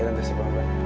ya tante sampai jumpa